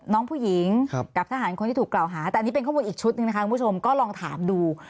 น้องผู้หญิงกับทหารคนที่ถูกกล่าวหาแต่อันนี้เป็นข้อมูลอีกชุดหนึ่งนะคะคุณผู้ชมก็ลองถามดู